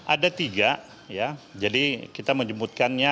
ada tiga ya jadi kita menyebutkannya